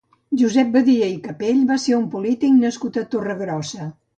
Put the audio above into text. Josep Badia i Capell va ser un polític nascut a Torregrossa.